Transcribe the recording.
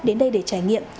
đến đây để trải nghiệm